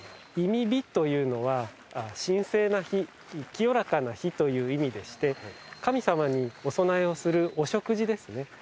忌火というのは神聖な火清らかな火という意味でして神様にお供えをするお食事ですね。